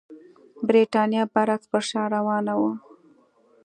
برېټانیا برعکس پر شا روانه وه.